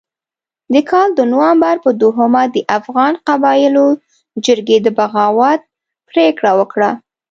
د کال د نومبر په دوهمه د افغان قبایلو جرګې د بغاوت پرېکړه وکړه.